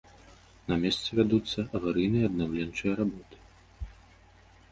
На месцы вядуцца аварыйныя і аднаўленчыя работы.